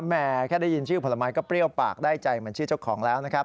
แม่แค่ได้ยินชื่อผลไม้ก็เปรี้ยวปากได้ใจเหมือนชื่อเจ้าของแล้วนะครับ